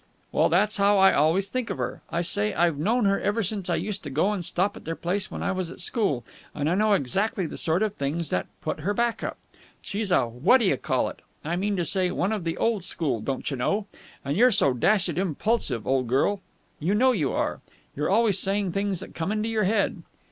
"Well, that's how I always think of her! I say I've known her ever since I used to go and stop at their place when I was at school, and I know exactly the sort of things that put her back up. She's a what d'you call it. I mean to say, one of the old school, don't you know. And you're so dashed impulsive, old girl. You know you are! You are always saying things that come into your head."